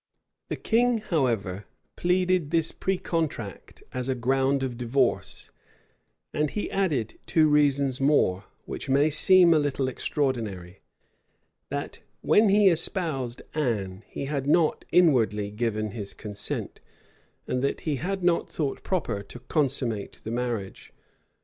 The king, however, pleaded this precontract as a ground of divorce; and he added two reasons more, which may seem a little extraordinary; that, when he espoused Anne he had not inwardly given his consent, and that he had not thought proper to consummate the marriage.